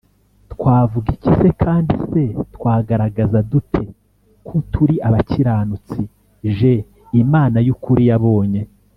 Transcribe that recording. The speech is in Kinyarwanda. Twavuga iki se Kandi se twagaragaza dute ko turi abakiranutsi j Imana y ukuri yabonye